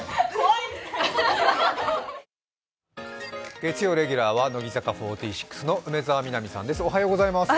月曜レギュラーは乃木坂４６の梅澤美波さんです。